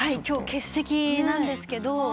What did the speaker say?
欠席なんですけど。